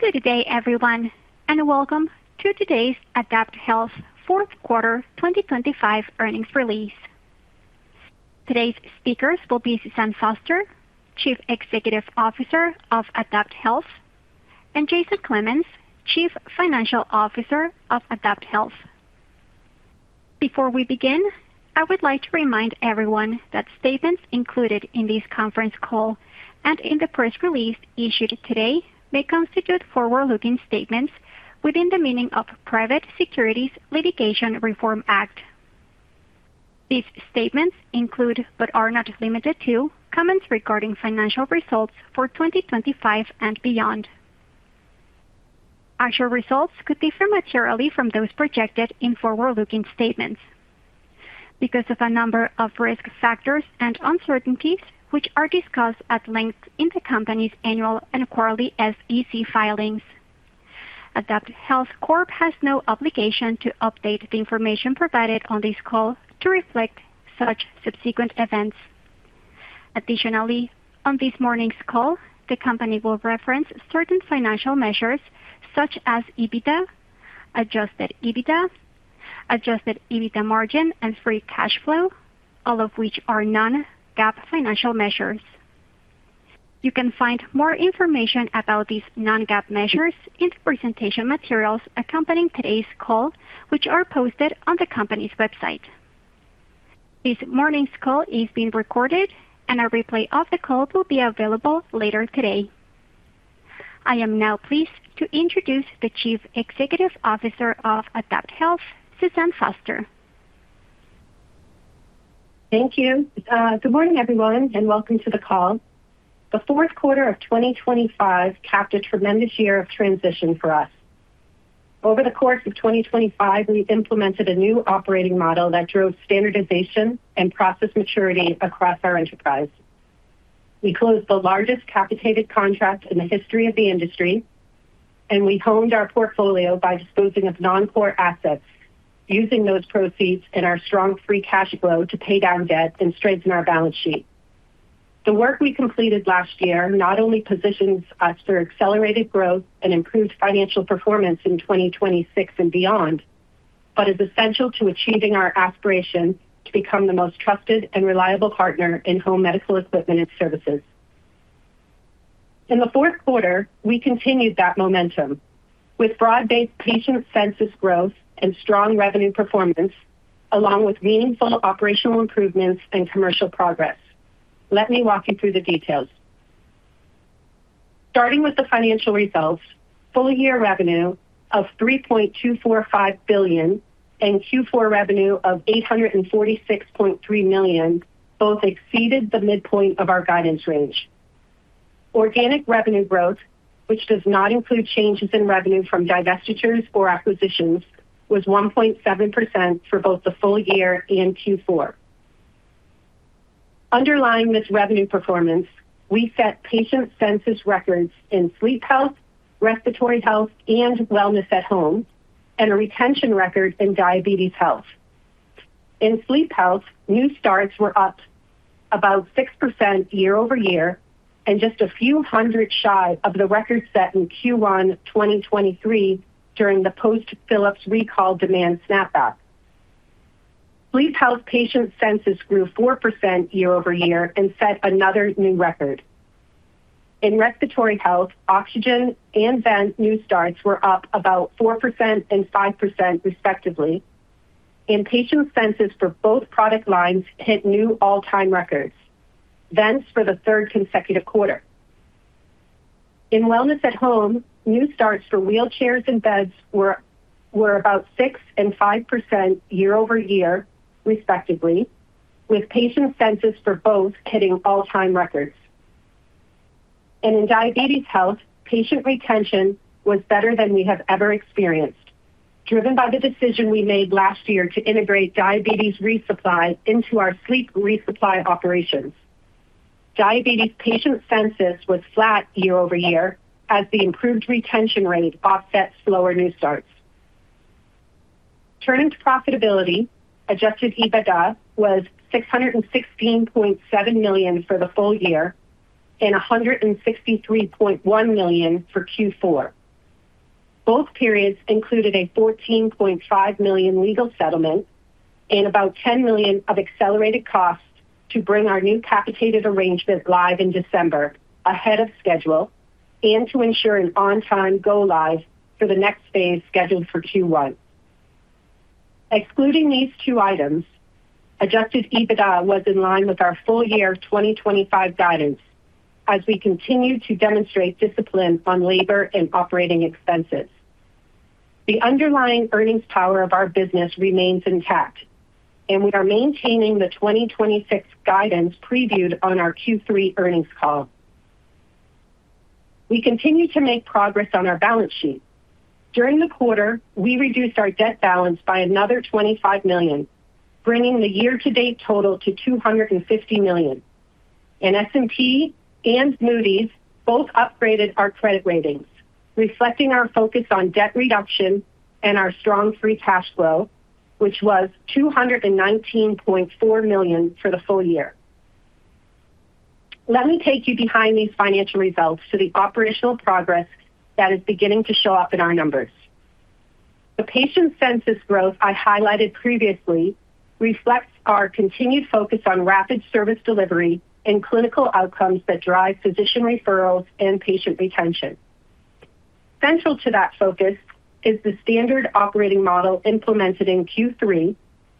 Good day, everyone, and welcome to today's AdaptHealth fourth quarter 2025 earnings release. Today's speakers will be Suzanne Foster, Chief Executive Officer of AdaptHealth, and Jason Clemens, Chief Financial Officer of AdaptHealth. Before we begin, I would like to remind everyone that statements included in this conference call and in the press release issued today may constitute forward-looking statements within the meaning of Private Securities Litigation Reform Act. These statements include, but are not limited to, comments regarding financial results for 2025 and beyond. Actual results could differ materially from those projected in forward-looking statements because of a number of risk factors and uncertainties, which are discussed at length in the company's annual and quarterly SEC filings. AdaptHealth Corp has no obligation to update the information provided on this call to reflect such subsequent events. Additionally, on this morning's call, the company will reference certain financial measures such as EBITDA, Adjusted EBITDA, Adjusted EBITDA Margin, and Free Cash Flow, all of which are non-GAAP financial measures. You can find more information about these non-GAAP measures in the presentation materials accompanying today's call, which are posted on the company's website. This morning's call is being recorded, and a replay of the call will be available later today. I am now pleased to introduce the Chief Executive Officer of AdaptHealth, Suzanne Foster. Thank you. good morning, everyone, and welcome to the call. The fourth quarter of 2025 capped a tremendous year of transition for us. Over the course of 2025, we implemented a new operating model that drove standardization and process maturity across our enterprise. We closed the largest capitated contract in the history of the industry, and we honed our portfolio by disposing of non-core assets, using those proceeds and our strong free cash flow to pay down debt and strengthen our balance sheet. The work we completed last year not only positions us for accelerated growth and improved financial performance in 2026 and beyond, but is essential to achieving our aspiration to become the most trusted and reliable partner in home medical equipment and services. In the fourth quarter, we continued that momentum with broad-based patient census growth and strong revenue performance, along with meaningful operational improvements and commercial progress. Let me walk you through the details. Starting with the financial results, full-year revenue of $3.245 billion and Q4 revenue of $846.3 million, both exceeded the midpoint of our guidance range. Organic revenue growth, which does not include changes in revenue from divestitures or acquisitions, was 1.7% for both the full year and Q4. Underlying this revenue performance, we set patient census records in Sleep Health, Respiratory Health, and Wellness at Home, and a retention record in Diabetes Health. In Sleep Health, new starts were up about 6% year-over-year and just a few hundred shy of the record set in Q1 2023 during the post-Philips recall demand snapback. Sleep Health patient census grew 4% year-over-year and set another new record. In Respiratory Health, oxygen and vent new starts were up about 4% and 5%, respectively, and patient census for both product lines hit new all-time records, vents for the third consecutive quarter. In Wellness at Home, new starts for wheelchairs and beds were about 6% and 5% year-over-year, respectively, with patient census for both hitting all-time records. In Diabetes Health, patient retention was better than we have ever experienced, driven by the decision we made last year to integrate diabetes resupply into our sleep resupply operations. Diabetes patient census was flat year-over-year as the improved retention rate offset slower new starts. Turning to profitability, Adjusted EBITDA was $616.7 million for the full year and $163.1 million for Q4. Both periods included a $14.5 million legal settlement and about $10 million of accelerated costs to bring our new capitated arrangement live in December ahead of schedule and to ensure an on-time go-live for the next phase, scheduled for Q1. Excluding these two items, Adjusted EBITDA was in line with our full year 2025 guidance as we continue to demonstrate discipline on labor and operating expenses. The underlying earnings power of our business remains intact. We are maintaining the 2026 guidance previewed on our Q3 earnings call. We continue to make progress on our balance sheet. During the quarter, we reduced our debt balance by another $25 million, bringing the year-to-date total to $250 million. S&P and Moody's both upgraded our credit ratings, reflecting our focus on debt reduction and our strong Free Cash Flow, which was $219.4 million for the full year. Let me take you behind these financial results to the operational progress that is beginning to show up in our numbers. The patient census growth I highlighted previously reflects our continued focus on rapid service delivery and clinical outcomes that drive physician referrals and patient retention. Central to that focus is the standard operating model implemented in Q3,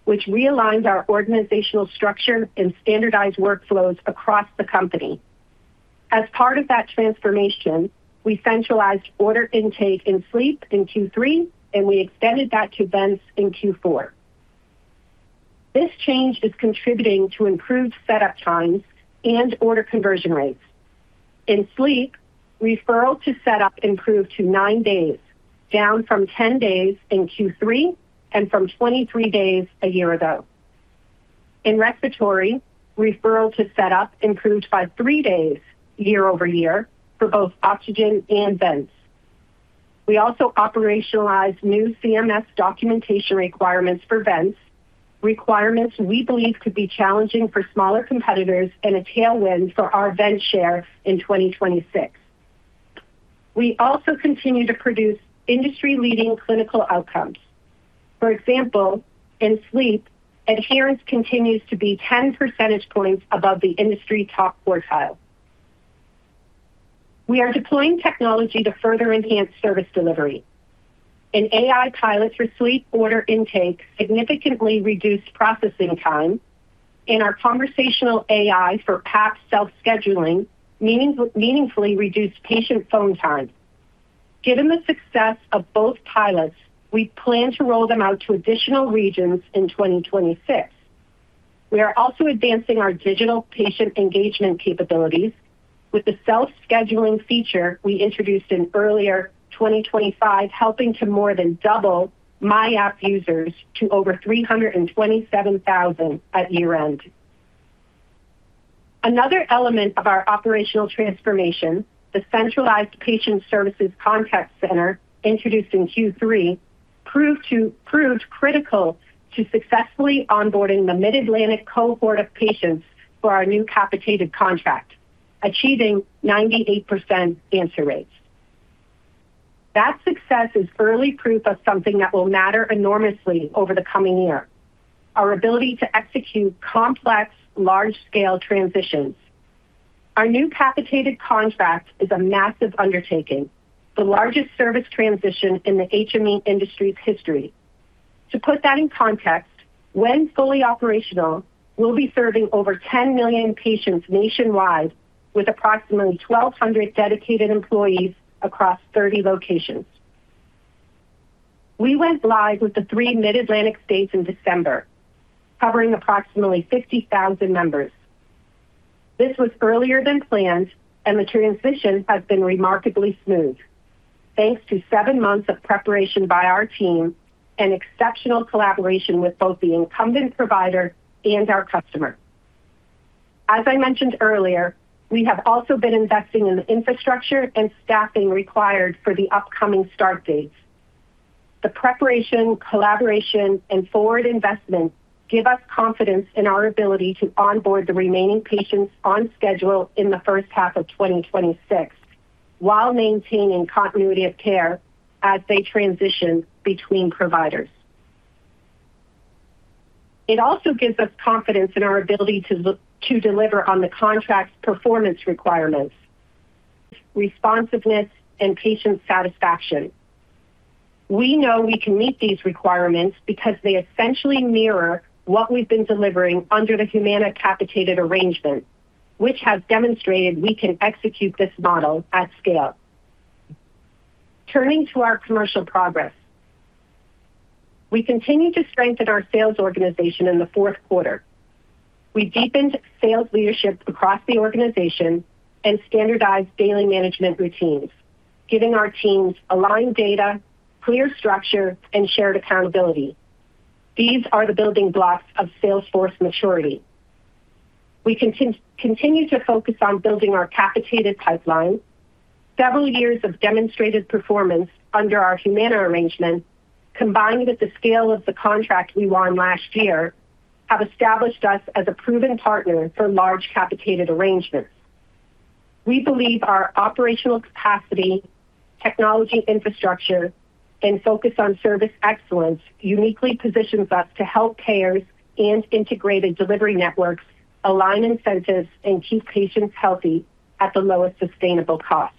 which realigns our organizational structure and standardized workflows across the company. As part of that transformation, we centralized order intake in Sleep in Q3, and we extended that to Vents in Q4. This change is contributing to improved setup times and order conversion rates. In sleep, referral to set up improved to nine days, down from 10 days in Q3 and from 23 days a year ago. In respiratory, referral to set up improved by three days year-over-year for both oxygen and vents. We also operationalized new CMS documentation requirements for vents, requirements we believe could be challenging for smaller competitors and a tailwind for our vent share in 2026. We also continue to produce industry-leading clinical outcomes. For example, in sleep, adherence continues to be 10 percentage points above the industry top quartile. We are deploying technology to further enhance service delivery. An AI pilot for sleep order intake significantly reduced processing time, and our conversational AI for PAP self-scheduling meaningfully reduced patient phone time. Given the success of both pilots, we plan to roll them out to additional regions in 2026. We are also advancing our digital patient engagement capabilities with the self-scheduling feature we introduced in earlier 2025, helping to more than double myAPP users to over 327,000 at year-end. Another element of our operational transformation, the centralized patient services contact center, introduced in Q3, proved critical to successfully onboarding the Mid-Atlantic cohort of patients for our new capitated contract, achieving 98% answer rates. That success is early proof of something that will matter enormously over the coming year: our ability to execute complex, large-scale transitions. Our new capitated contract is a massive undertaking, the largest service transition in the HME industry's history. To put that in context, when fully operational, we'll be serving over 10 million patients nationwide, with approximately 1,200 dedicated employees across 30 locations. We went live with the three Mid-Atlantic states in December, covering approximately 50,000 members. This was earlier than planned, and the transition has been remarkably smooth, thanks to seven months of preparation by our team and exceptional collaboration with both the incumbent provider and our customer. As I mentioned earlier, we have also been investing in the infrastructure and staffing required for the upcoming start dates. The preparation, collaboration, and forward investment give us confidence in our ability to onboard the remaining patients on schedule in the first half of 2026, while maintaining continuity of care as they transition between providers. It also gives us confidence in our ability to deliver on the contract's performance requirements, responsiveness, and patient satisfaction. We know we can meet these requirements because they essentially mirror what we've been delivering under the Humana capitated arrangement, which has demonstrated we can execute this model at scale. Turning to our commercial progress, we continued to strengthen our sales organization in the fourth quarter. We deepened sales leadership across the organization and standardized daily management routines, giving our teams aligned data, clear structure, and shared accountability. These are the building blocks of Salesforce maturity. We continue to focus on building our capitated pipeline. Several years of demonstrated performance under our Humana arrangement, combined with the scale of the contract we won last year, have established us as a proven partner for large capitated arrangements. We believe our operational capacity, technology infrastructure, and focus on service excellence uniquely positions us to help payers and integrated delivery networks align incentives and keep patients healthy at the lowest sustainable cost.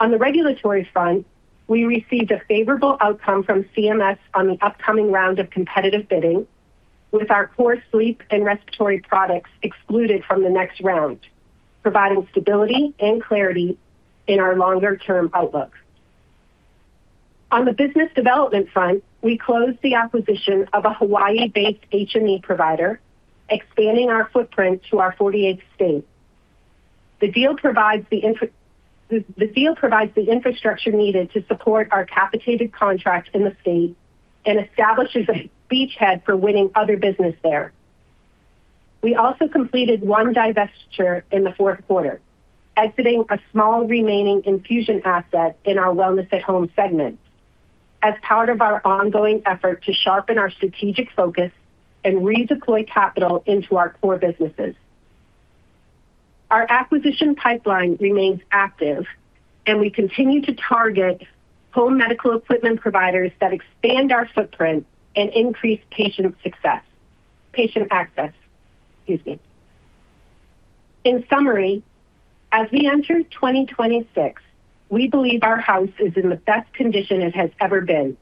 On the regulatory front, we received a favorable outcome from CMS on the upcoming round of competitive bidding, with our core sleep and respiratory products excluded from the next round, providing stability and clarity in our longer-term outlook. On the business development front, we closed the acquisition of a Hawaii-based HME provider, expanding our footprint to our 48th state. The deal provides the infrastructure needed to support our capitated contracts in the state and establishes a beachhead for winning other business there. We also completed one divestiture in the fourth quarter, exiting a small remaining infusion asset in our Wellness at Home segment as part of our ongoing effort to sharpen our strategic focus and redeploy capital into our core businesses. Our acquisition pipeline remains active. We continue to target home medical equipment providers that expand our footprint and increase patient access, excuse me. In summary, as we enter 2026, we believe our house is in the best condition it has ever been.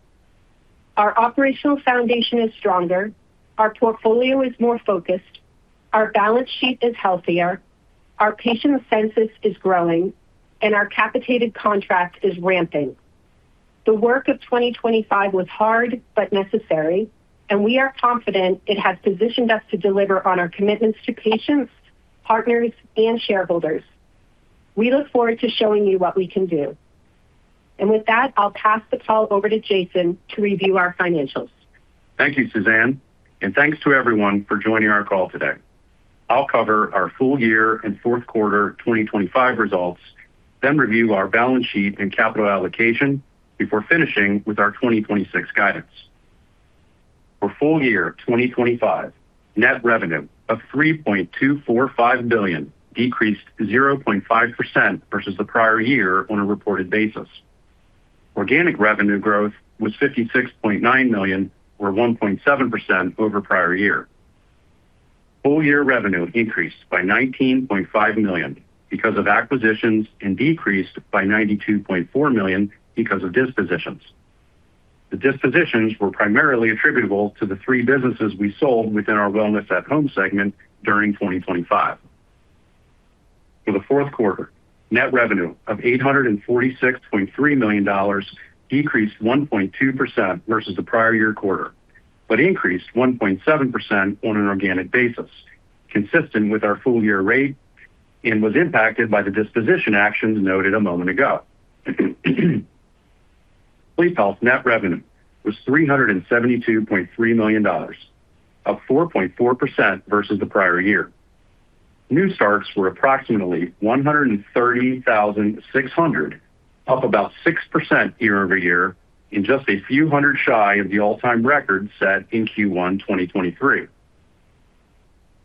Our operational foundation is stronger, our portfolio is more focused, our balance sheet is healthier, our patient census is growing, and our capitated contract is ramping. The work of 2025 was hard but necessary, and we are confident it has positioned us to deliver on our commitments to patients, partners, and shareholders. We look forward to showing you what we can do. With that, I'll pass the call over to Jason to review our financials. Thank you, Suzanne. Thanks to everyone for joining our call today. I'll cover our full year and fourth quarter 2025 results, review our balance sheet and capital allocation before finishing with our 2026 guidance. For full year 2025, net revenue of $3.245 billion decreased 0.5% versus the prior year on a reported basis. Organic revenue growth was $56.9 million, or 1.7% over prior year. Full year revenue increased by $19.5 million because of acquisitions, decreased by $92.4 million because of dispositions. The dispositions were primarily attributable to the three businesses we sold within our Wellness at Home segment during 2025. For the fourth quarter, net revenue of $846.3 million decreased 1.2% versus the prior year quarter, but increased 1.7% on an organic basis, consistent with our full year rate, and was impacted by the disposition actions noted a moment ago. Sleep Health's net revenue was $372.3 million, up 4.4% versus the prior year. New starts were approximately 130,600, up about 6% year-over-year, in just a few hundred shy of the all-time record set in Q1 2023.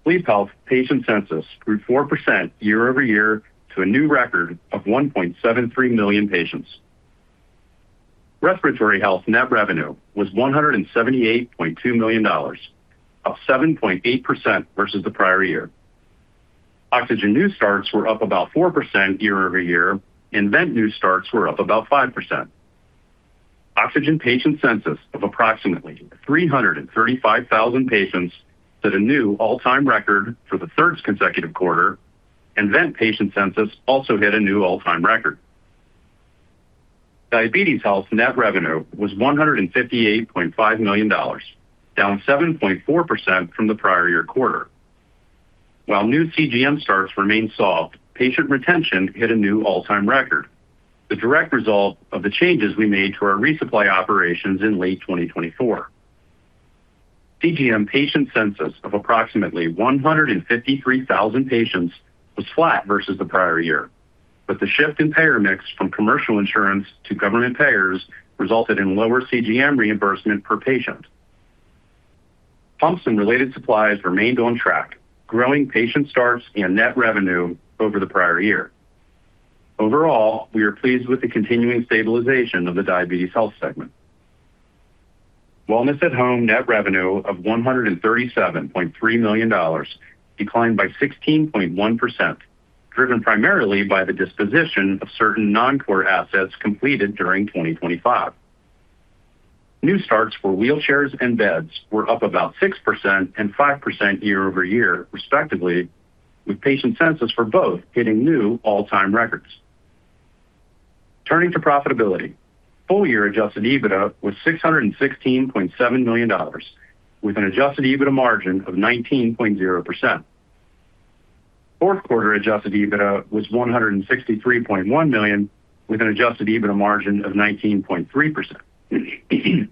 Sleep Health patient census grew 4% year-over-year to a new record of 1.73 million patients. Respiratory Health net revenue was $178.2 million, up 7.8% versus the prior year. Oxygen new starts were up about 4% year-over-year, and vent new starts were up about 5%. Oxygen patient census of approximately 335,000 patients set a new all-time record for the third consecutive quarter, and vent patient census also hit a new all-time record. Diabetes Health net revenue was $158.5 million, down 7.4% from the prior year quarter. While new CGM starts remained soft, patient retention hit a new all-time record, the direct result of the changes we made to our resupply operations in late 2024. CGM patient census of approximately 153,000 patients was flat versus the prior year, but the shift in payer mix from commercial insurance to government payers resulted in lower CGM reimbursement per patient. Pumps and related supplies remained on track, growing patient starts and net revenue over the prior year. Overall, we are pleased with the continuing stabilization of the Diabetes Health segment. Wellness at Home net revenue of $137.3 million declined by 16.1%, driven primarily by the disposition of certain non-core assets completed during 2025. New starts for wheelchairs and beds were up about 6% and 5% year-over-year, respectively, with patient census for both hitting new all-time records. Turning to profitability, full year Adjusted EBITDA was $616.7 million, with an Adjusted EBITDA Margin of 19.0%. Fourth quarter Adjusted EBITDA was $163.1 million, with an Adjusted EBITDA Margin of 19.3%. As Suzanne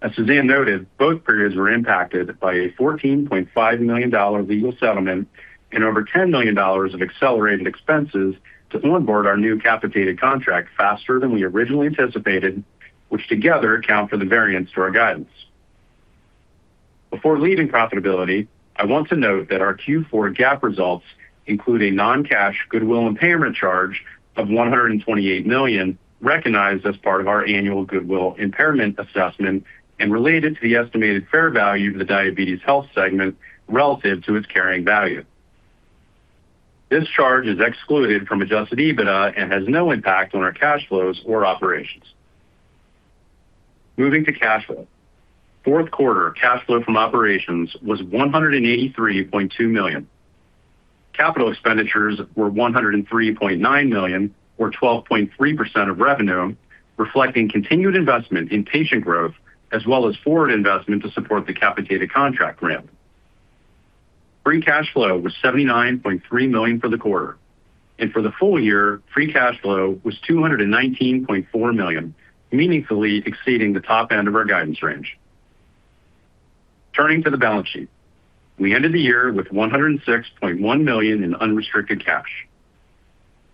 Foster noted, both periods were impacted by a $14.5 million legal settlement and over $10 million of accelerated expenses to onboard our new capitated contract faster than we originally anticipated, which together account for the variance to our guidance. Before leaving profitability, I want to note that our Q4 GAAP results include a non-cash goodwill impairment charge of $128 million, recognized as part of our annual goodwill impairment assessment and related to the estimated fair value of the Diabetes Health segment relative to its carrying value. This charge is excluded from Adjusted EBITDA and has no impact on our cash flows or operations. Moving to cash flow. Fourth quarter cash flow from operations was $183.2 million. Capital expenditures were $103.9 million, or 12.3% of revenue, reflecting continued investment in patient growth as well as forward investment to support the capitated contract ramp. Free cash flow was $79.3 million for the quarter, and for the full year, free cash flow was $219.4 million, meaningfully exceeding the top end of our guidance range. Turning to the balance sheet. We ended the year with $106.1 million in unrestricted cash.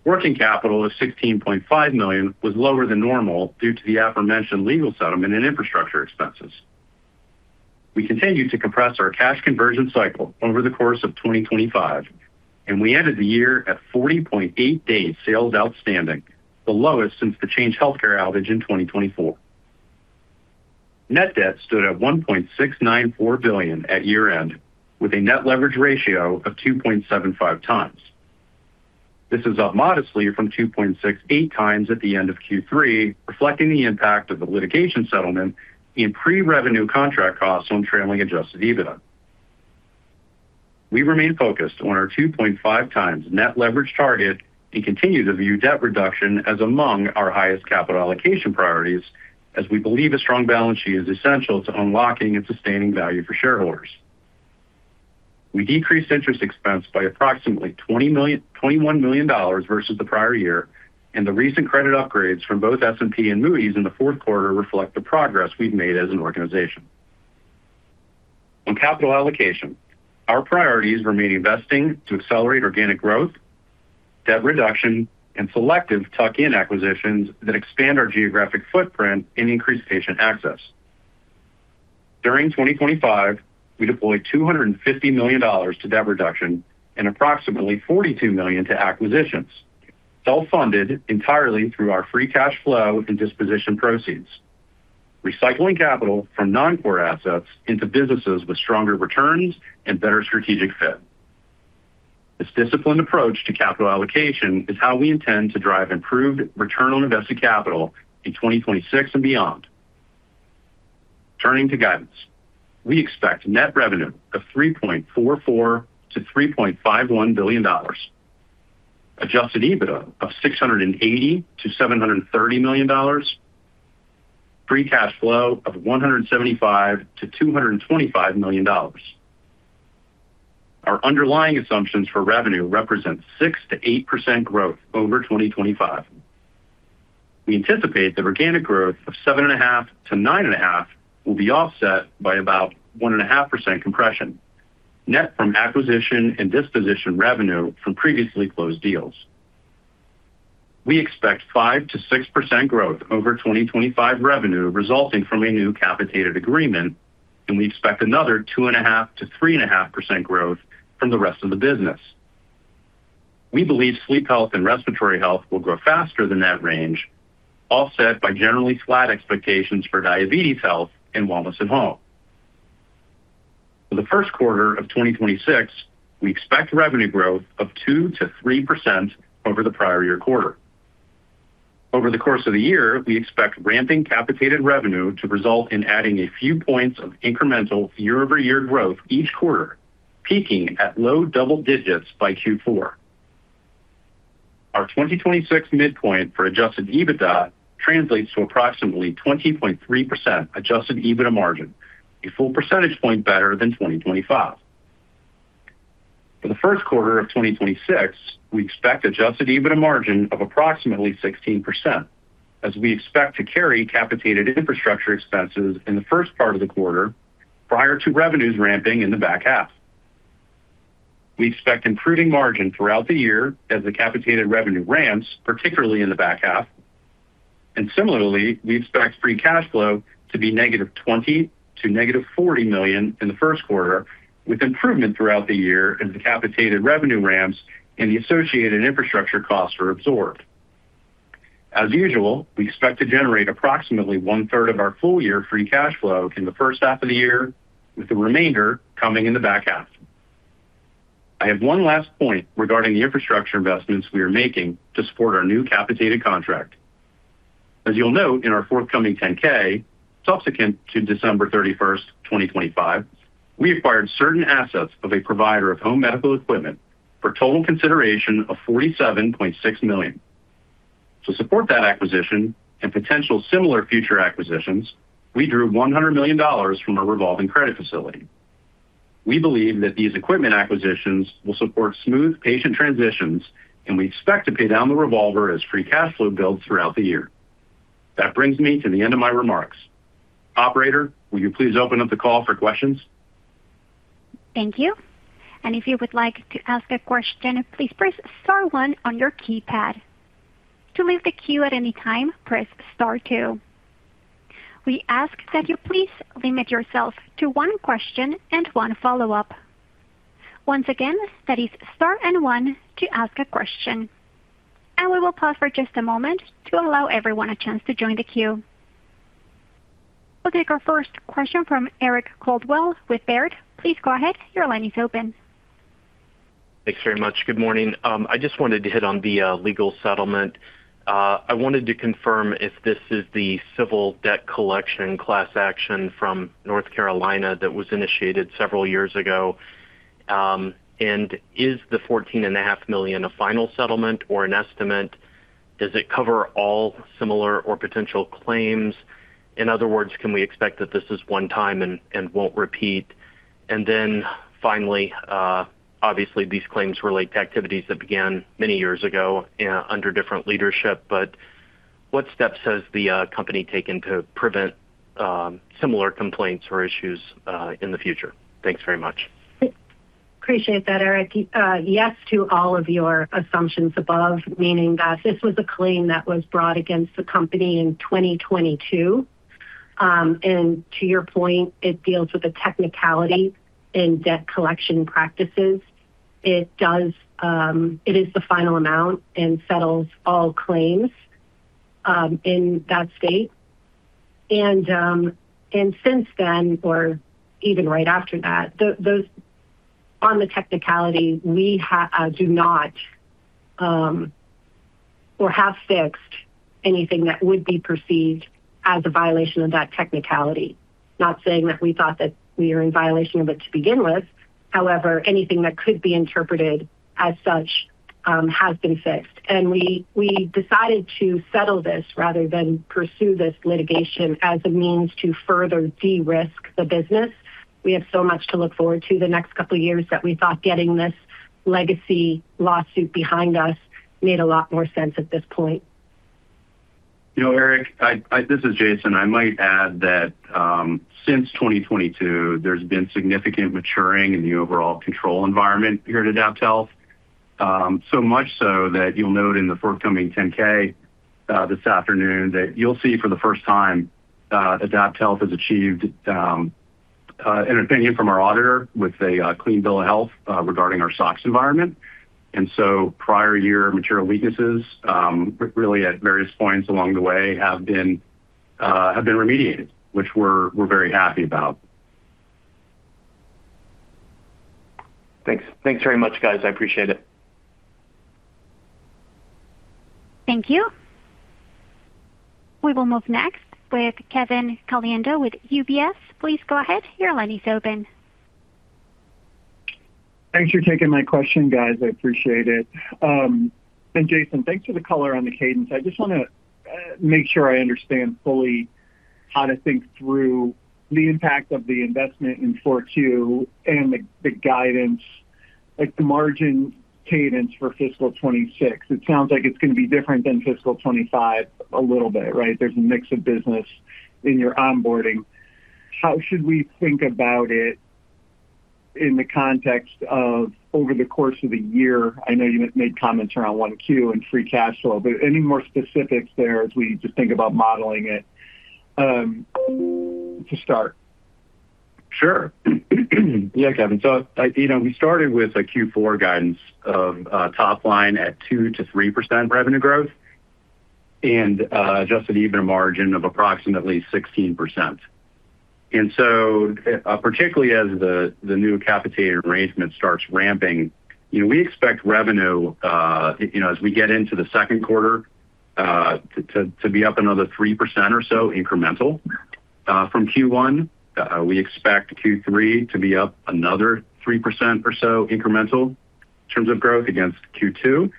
Working capital of $16.5 million was lower than normal due to the aforementioned legal settlement and infrastructure expenses. We continued to compress our cash conversion cycle over the course of 2025, and we ended the year at 40.8 days sales outstanding, the lowest since the Change Healthcare outage in 2024. Net debt stood at $1.694 billion at year-end, with a net leverage ratio of 2.75 times. This is up modestly from 2.68 times at the end of Q3, reflecting the impact of the litigation settlement in pre-revenue contract costs on trailing Adjusted EBITDA. We remain focused on our 2.5 times net leverage target and continue to view debt reduction as among our highest capital allocation priorities, as we believe a strong balance sheet is essential to unlocking and sustaining value for shareholders. We decreased interest expense by approximately $21 million versus the prior year, and the recent credit upgrades from both S&P and Moody's in the fourth quarter reflect the progress we've made as an organization. On capital allocation, our priorities remain investing to accelerate organic growth, debt reduction, and selective tuck-in acquisitions that expand our geographic footprint and increase patient access. During 2025, we deployed $250 million to debt reduction and approximately $42 million to acquisitions, all funded entirely through our free cash flow and disposition proceeds, recycling capital from non-core assets into businesses with stronger returns and better strategic fit. This disciplined approach to capital allocation is how we intend to drive improved return on invested capital in 2026 and beyond. Turning to guidance, we expect net revenue of $3.44 billion-$3.51 billion, Adjusted EBITDA of $680 million-$730 million, free cash flow of $175 million-$225 million. Our underlying assumptions for revenue represent 6%-8% growth over 2025. We anticipate that organic growth of 7.5%-9.5% will be offset by about 1.5% compression, net from acquisition and disposition revenue from previously closed deals. We expect 5%-6% growth over 2025 revenue, resulting from a new capitated agreement, and we expect another 2.5%-3.5% growth from the rest of the business. We believe Sleep Health and Respiratory Health will grow faster than that range, offset by generally flat expectations for Diabetes Health and Wellness at Home. For the first quarter of 2026, we expect revenue growth of 2%-3% over the prior year quarter. Over the course of the year, we expect ramping capitated revenue to result in adding a few points of incremental year-over-year growth each quarter, peaking at low double digits by Q4. Our 2026 midpoint for Adjusted EBITDA translates to approximately 20.3% Adjusted EBITDA Margin, a full percentage point better than 2025. For the first quarter of 2026, we expect Adjusted EBITDA Margin of approximately 16%, as we expect to carry capitated infrastructure expenses in the first part of the quarter prior to revenues ramping in the back half. Similarly, we expect improving margin throughout the year as the capitated revenue ramps, particularly in the back half. Similarly, we expect free cash flow to be -$20 million to -$40 million in the first quarter, with improvement throughout the year as the capitated revenue ramps and the associated infrastructure costs are absorbed. As usual, we expect to generate approximately one-third of our full-year Free Cash Flow in the first half of the year, with the remainder coming in the back half. I have one last point regarding the infrastructure investments we are making to support our new capitated contract. As you'll note in our forthcoming 10-K, subsequent to December 31st, 2025, we acquired certain assets of a provider of home medical equipment for total consideration of $47.6 million. To support that acquisition and potential similar future acquisitions, we drew $100 million from our revolving credit facility. We believe that these equipment acquisitions will support smooth patient transitions, and we expect to pay down the revolver as Free Cash Flow builds throughout the year. That brings me to the end of my remarks. Operator, will you please open up the call for questions? Thank you. If you would like to ask a question, please press star one on your keypad. To leave the queue at any time, press star two. We ask that you please limit yourself to one question and one follow-up. Once again, that is star and one to ask a question, and we will pause for just a moment to allow everyone a chance to join the queue. We'll take our first question from Eric Coldwell with Baird. Please go ahead. Your line is open. Thanks very much. Good morning. I just wanted to hit on the legal settlement. I wanted to confirm if this is the civil debt collection class action from North Carolina that was initiated several years ago. Is the $14 and a half million a final settlement or an estimate? Does it cover all similar or potential claims? In other words, can we expect that this is one time and won't repeat? Finally, obviously, these claims relate to activities that began many years ago, under different leadership, but What steps has the company taken to prevent similar complaints or issues in the future? Thanks very much. Appreciate that, Eric. Yes, to all of your assumptions above, meaning that this was a claim that was brought against the company in 2022. To your point, it deals with a technicality in debt collection practices. It does, it is the final amount and settles all claims in that state. Since then, or even right after that, those on the technicality, we do not or have fixed anything that would be perceived as a violation of that technicality. Not saying that we thought that we are in violation of it to begin with. However, anything that could be interpreted as such has been fixed. We decided to settle this rather than pursue this litigation as a means to further de-risk the business. We have so much to look forward to the next couple of years that we thought getting this legacy lawsuit behind us made a lot more sense at this point. You know, Eric, I, this is Jason. I might add that, since 2022, there's been significant maturing in the overall control environment here at AdaptHealth. So much so that you'll note in the forthcoming 10-K this afternoon, that you'll see for the first time, AdaptHealth has achieved an opinion from our auditor with a clean bill of health regarding our SOX environment. Prior year material weaknesses, really at various points along the way, have been remediated, which we're very happy about. Thanks. Thanks very much, guys. I appreciate it. Thank you. We will move next with Kevin Caliendo with UBS. Please go ahead. Your line is open. Thanks for taking my question, guys. I appreciate it. Jason, thanks for the color on the cadence. I just wanna make sure I understand fully how to think through the impact of the investment in four two and the guidance, like, the margin cadence for fiscal 2026. It sounds like it's gonna be different than fiscal 2025 a little bit, right? There's a mix of business in your onboarding. How should we think about it in the context of over the course of the year? I know you made comments around 1Q and Free Cash Flow, but any more specifics there as we just think about modeling it to start? Sure. Yeah, Kevin. You know, we started with a Q4 guidance of top line at 2%-3% revenue growth and Adjusted EBITDA Margin of approximately 16%. Particularly as the new capitated arrangement starts ramping, you know, we expect revenue, you know, as we get into Q2, to be up another 3% or so incremental from Q1. We expect Q3 to be up another 3% or so incremental in terms of growth against Q2.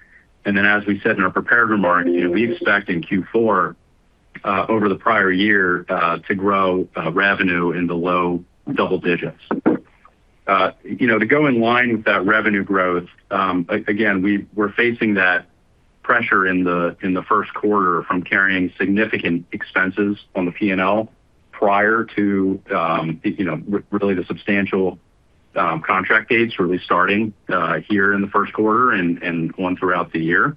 As we said in our prepared remarks, we expect in Q4 over the prior year to grow revenue in the low double digits. you know, to go in line with that revenue growth, again, we're facing that pressure in the first quarter from carrying significant expenses on the P&L prior to, you know, really the substantial contract dates, really starting here in the first quarter and on throughout the year.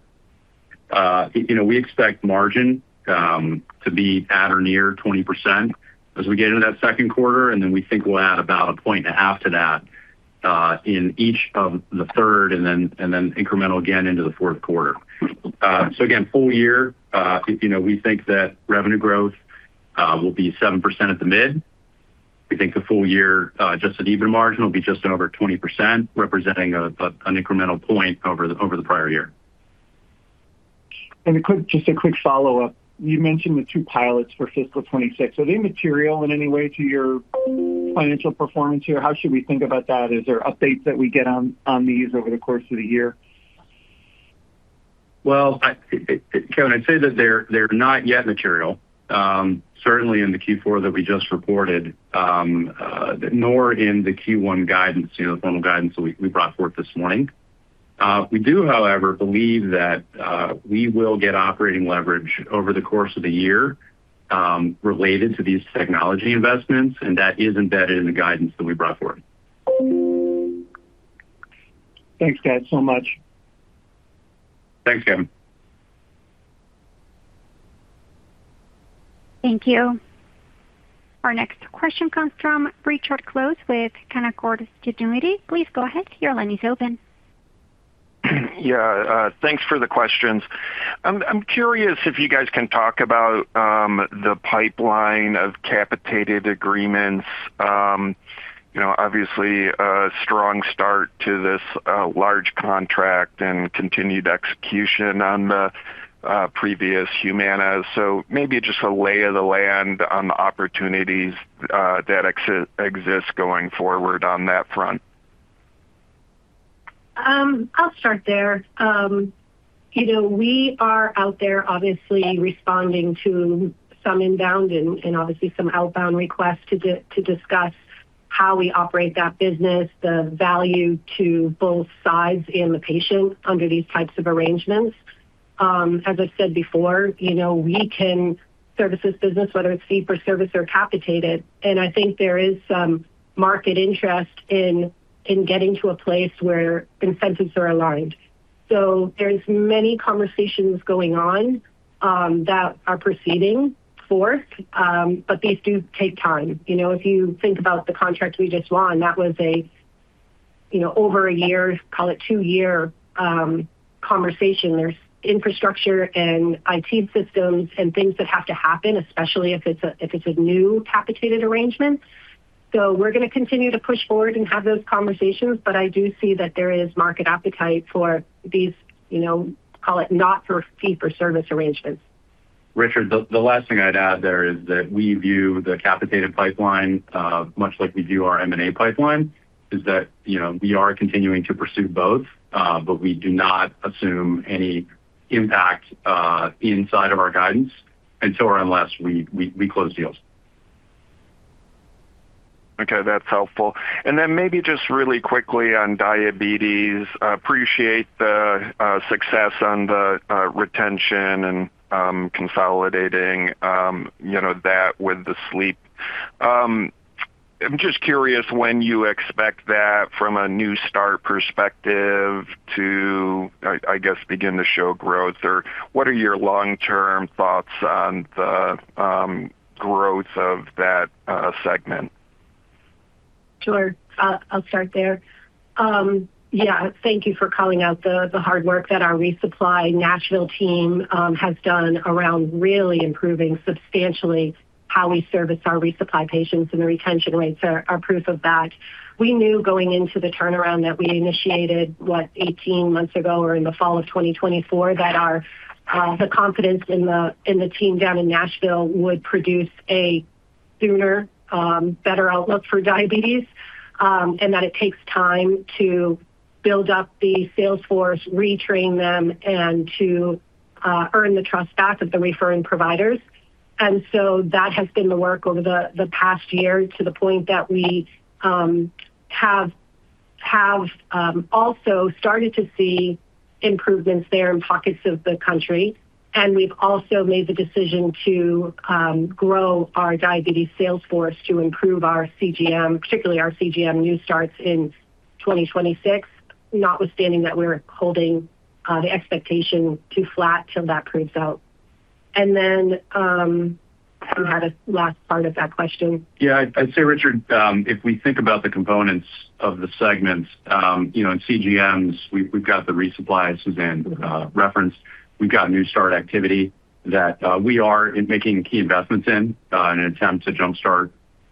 you know, we expect margin to be at or near 20% as we get into that second quarter, and then we think we'll add about 1.5 points to that in each of the third and then, and then incremental again into the fourth quarter. Again, full year, you know, we think that revenue growth will be 7% at the mid. We think the full year, Adjusted EBITDA Margin will be just over 20%, representing an incremental point over the prior year. A quick, just a quick follow-up. You mentioned the two pilots for fiscal 26. Are they material in any way to your financial performance here? How should we think about that? Is there updates that we get on these over the course of the year? Well, I, Kevin, I'd say that they're not yet material, certainly in the Q4 that we just reported, nor in the Q1 guidance, you know, the formal guidance that we brought forth this morning. We do, however, believe that we will get operating leverage over the course of the year, related to these technology investments, and that is embedded in the guidance that we brought forward. Thanks, guys, so much. Thanks, Kevin. Thank you. Our next question comes from Richard Close with Canaccord Genuity. Please go ahead. Your line is open. Yeah, thanks for the questions. I'm curious if you guys can talk about the pipeline of capitated agreements. You know, obviously a strong start to this large contract and continued execution on the previous Humana. Maybe just a lay of the land on the opportunities that exists going forward on that front. I'll start there. You know, we are out there obviously responding to some inbound and obviously some outbound requests to discuss how we operate that business, the value to both sides and the patient under these types of arrangements. As I said before, you know, we can service this business, whether it's fee for service or capitated, and I think there is some market interest in getting to a place where incentives are aligned. There's many conversations going on that are proceeding forth, but these do take time. You know, if you think about the contract we just won, that was a, you know, over a year, call it two-year conversation. There's infrastructure and IT systems and things that have to happen, especially if it's a new capitated arrangement. We're going to continue to push forward and have those conversations, but I do see that there is market appetite for these, you know, call it not for fee for service arrangements. Richard, the last thing I'd add there is that we view the capitated pipeline, much like we do our M&A pipeline, is that, you know, we are continuing to pursue both, but we do not assume any impact, inside of our guidance until or unless we close deals. Okay, that's helpful. Then maybe just really quickly on diabetes. I appreciate the success on the retention and consolidating, you know, that with the sleep. I'm just curious when you expect that from a new start perspective to, I guess, begin to show growth, or what are your long-term thoughts on the growth of that segment? Sure. I'll start there. Yeah, thank you for calling out the hard work that our resupply Nashville team has done around really improving substantially how we service our resupply patients, the retention rates are proof of that. We knew going into the turnaround that we initiated, what, 18 months ago or in the fall of 2024, that the confidence in the team down in Nashville would produce a sooner, better outlook for diabetes, that it takes time to build up the sales force, retrain them, and to earn the trust back of the referring providers. That has been the work over the past year to the point that we have also started to see improvements there in pockets of the country. We've also made the decision to grow our diabetes sales force to improve our CGM, particularly our CGM new starts in 2026, notwithstanding that we're holding the expectation to flat till that proves out. You had a last part of that question? Yeah. I'd say, Richard, if we think about the components of the segments, you know, in CGMs, we've got the resupplies Suzanne referenced. We've got new start activity that we are making key investments in an attempt to jump-start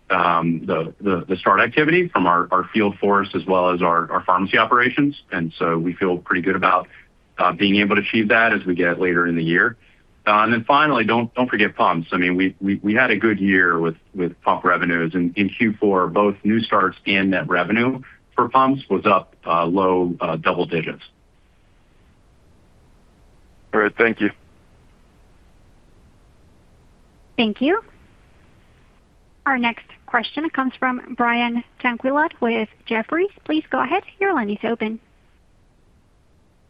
the start activity from our field force as well as our pharmacy operations. We feel pretty good about being able to achieve that as we get later in the year. Finally, don't forget pumps. I mean, we had a good year with pump revenues, and in Q4, both new starts and net revenue for pumps was up low double digits. All right. Thank you. Thank you. Our next question comes from Brian Tanquilut with Jefferies. Please go ahead. Your line is open.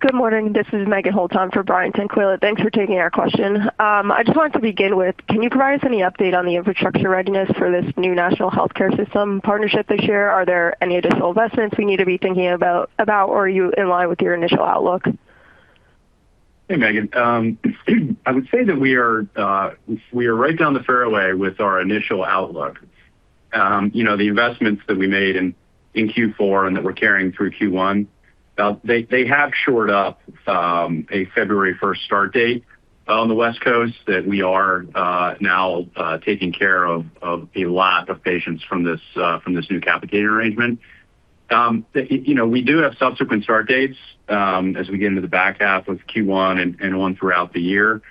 Good morning. This is Megan Holton for Brian Tanquilut. Thanks for taking our question. I just wanted to begin with, can you provide us any update on the infrastructure readiness for this new national healthcare system partnership this year? Are there any additional investments we need to be thinking about, or are you in line with your initial outlook? Hey, Megan. I would say that we are right down the fairway with our initial outlook. You know, the investments that we made in Q4 and that we're carrying through Q1, they have shored up a February first start date on the West Coast that we are now taking care of a lot of patients from this from this new capitated arrangement. You know, we do have subsequent start dates as we get into the back half of Q1 and on throughout the year.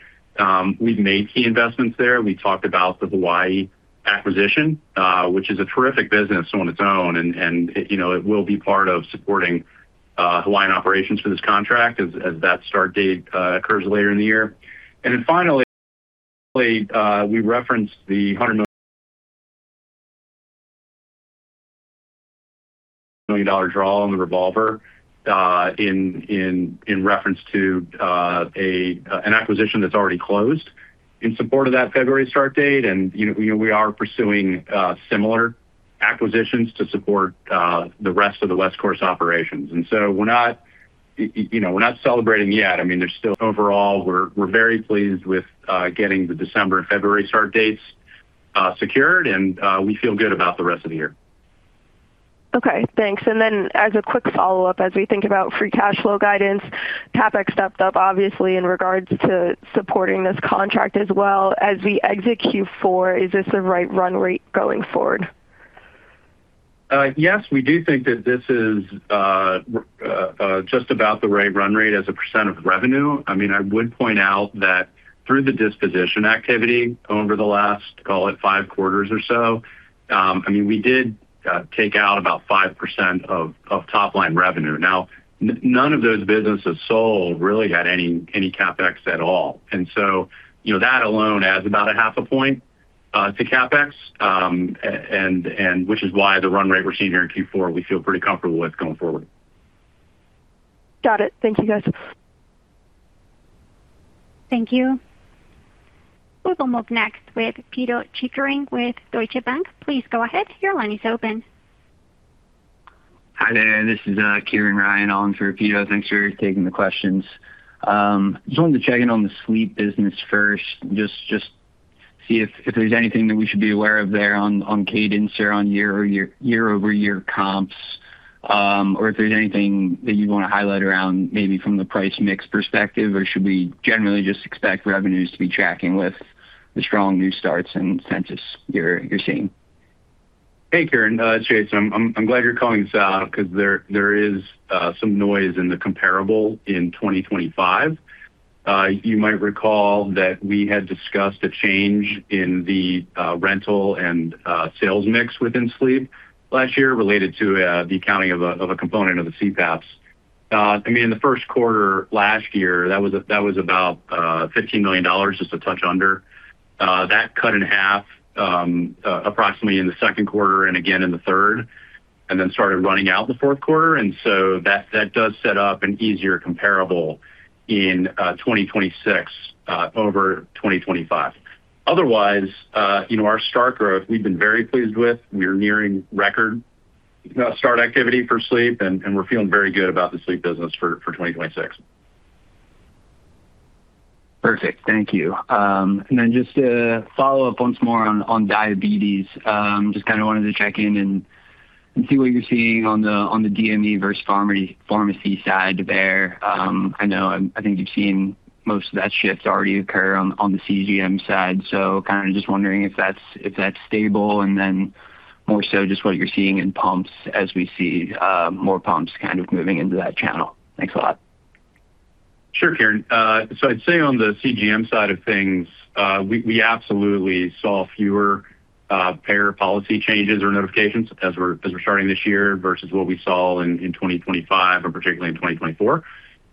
We've made key investments there. We talked about the Hawaii acquisition, which is a terrific business on its own, and you know, it will be part of supporting Hawaiian operations for this contract as that start date occurs later in the year. Finally, we referenced the $100 million draw on the revolver, in reference to an acquisition that's already closed in support of that February start date. You know, we are pursuing, similar acquisitions to support, the rest of the West Coast operations. We're not, you know, we're not celebrating yet. I mean, there's still... Overall, we're very pleased with, getting the December and February start dates, secured, and, we feel good about the rest of the year. Okay, thanks. As a quick follow-up, as we think about free cash flow guidance, CapEx stepped up obviously in regards to supporting this contract as well. As we exit Q4, is this the right run rate going forward? Yes, we do think that this is just about the right run rate as a percentage of revenue. I mean, I would point out that through the disposition activity over the last, call it five quarters or so, I mean, we did take out about 5% of top-line revenue. Now, none of those businesses sold really had any CapEx at all. You know, that alone adds about a half a point to CapEx, and which is why the run rate we're seeing here in Q4, we feel pretty comfortable with going forward. Got it. Thank you, guys. Thank you. We will move next with Pito Chickering with Deutsche Bank. Please go ahead. Your line is open. Hi there. This is Kieran Ryan on for Peter. Thanks for taking the questions. Just wanted to check in on the sleep business first, just see if there's anything that we should be aware of there on cadence or on year-over-year comps, or if there's anything that you'd want to highlight around maybe from the price mix perspective, or should we generally just expect revenues to be tracking with the strong new starts and census you're seeing? Hey, Kieran, it's Jason. I'm glad you're calling this out because there is some noise in the comparable in 2025. You might recall that we had discussed a change in the rental and sales mix within sleep last year related to the accounting of a component of the CPAP. I mean, in the first quarter last year, that was, that was about $15 million, just a touch under. That cut in half approximately in the second quarter and again in the third, and then started running out in the fourth quarter. That, that does set up an easier comparable in 2026 over 2025. Otherwise, you know, our start growth, we've been very pleased with. We're nearing record start activity for sleep, and we're feeling very good about the sleep business for 2026. Perfect. Thank you. Then just to follow up once more on diabetes. Just kind of wanted to check in and see what you're seeing on the DME versus pharmacy side there. I know, I think you've seen most of that shift already occur on the CGM side. Kind of just wondering if that's, if that's stable, and then more so just what you're seeing in pumps as we see more pumps kind of moving into that channel. Thanks a lot. Sure, Kieran. I'd say on the CGM side of things, we absolutely saw fewer payer policy changes or notifications as we're starting this year versus what we saw in 2025 or particularly in 2024.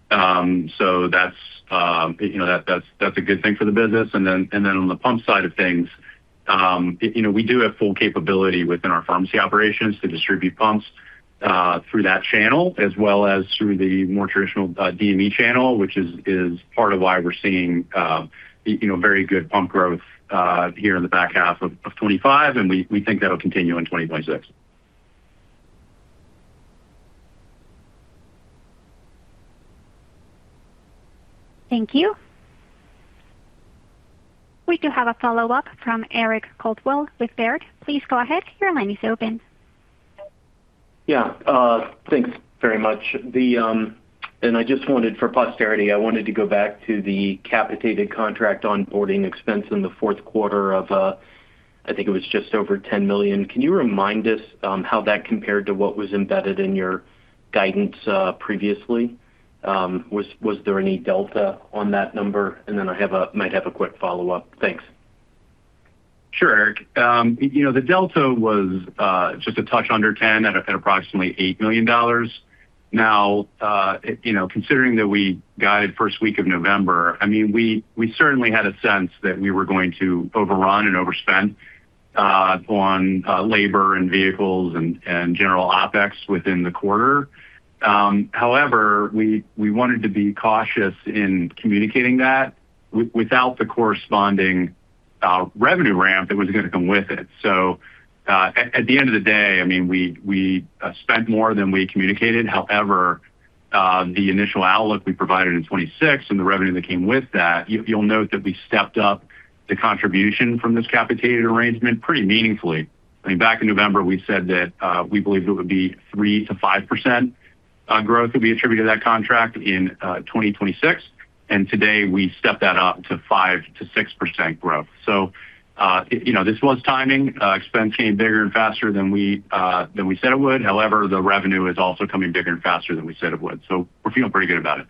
That's, you know, that's a good thing for the business. Then on the pump side of things, you know, we do have full capability within our pharmacy operations to distribute pumps through that channel as well as through the more traditional DME channel, which is part of why we're seeing, you know, very good pump growth here in the back half of 2025, and we think that'll continue in 2026. Thank you. We do have a follow-up from Eric Coldwell with Baird. Please go ahead. Your line is open. Thanks very much. I just wanted, for posterity, I wanted to go back to the capitated contract onboarding expense in the fourth quarter of, I think it was just over $10 million. Can you remind us how that compared to what was embedded in your guidance previously? Was there any delta on that number? I might have a quick follow-up. Thanks. Sure, Eric. you know, the delta was just a touch under 10 at approximately $8 million. Now, you know, considering that we guided first week of November, I mean, we certainly had a sense that we were going to overrun and overspend on labor and vehicles and general OpEx within the quarter. However, we wanted to be cautious in communicating that without the corresponding revenue ramp that was gonna come with it. At the end of the day, I mean, we spent more than we communicated. However, the initial outlook we provided in 2026 and the revenue that came with that, you'll note that we stepped up the contribution from this capitated arrangement pretty meaningfully. I mean, back in November, we said that we believed it would be 3%-5% growth would be attributed to that contract in 2026. Today we stepped that up to 5%-6% growth. You know, this was timing. Expense came bigger and faster than we said it would. However, the revenue is also coming bigger and faster than we said it would. We're feeling pretty good about it.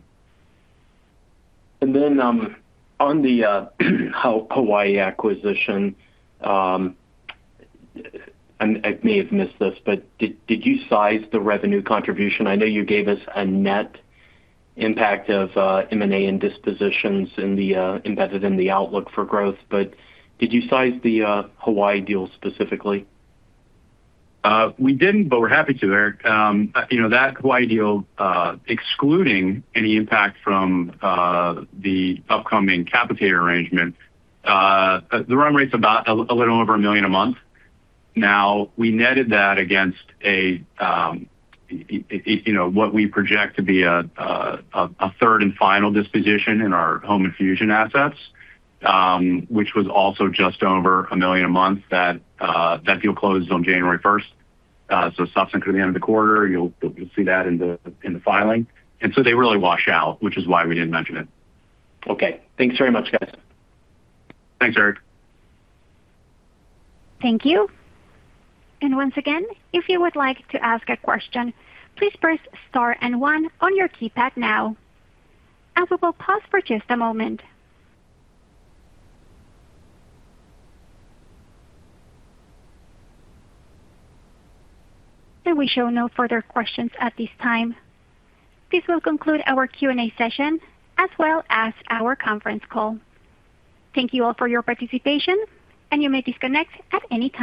On the Hawaii acquisition, I may have missed this, but did you size the revenue contribution? I know you gave us a net impact of M&A and dispositions in the embedded in the outlook for growth, but did you size the Hawaii deal specifically? We didn't, but we're happy to, Eric. You know, that Hawaii deal, excluding any impact from the upcoming capitated arrangement, the run rate's about a little over $1 million a month. Now, we netted that against a, you know, what we project to be a third and final disposition in our home infusion assets, which was also just over $1 million a month. That deal closed on January first. So subsequent to the end of the quarter, you'll see that in the filing. They really wash out, which is why we didn't mention it. Okay. Thanks very much, guys. Thanks, Eric. Thank you. Once again, if you would like to ask a question, please press star and one on your keypad now, and we will pause for just a moment. We show no further questions at this time. This will conclude our Q&A session as well as our conference call. Thank you all for your participation, and you may disconnect at any time.